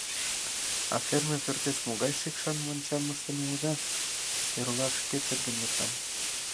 А ферме пӧртеш могай шикшан мончам ыштен улыда, эрла шке терген лектам...